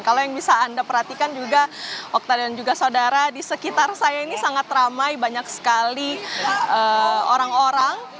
kalau yang bisa anda perhatikan juga okta dan juga saudara di sekitar saya ini sangat ramai banyak sekali orang orang